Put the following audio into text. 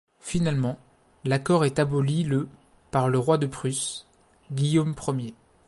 Finalement, l'accord est aboli le par le Roi de Prusse, Guillaume Ier.